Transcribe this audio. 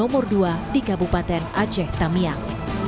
nomor dua di kabupaten aceh tamiang